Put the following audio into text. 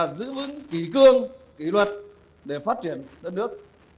giữ vững kỳ cương kỳ luật để phát triển đất nước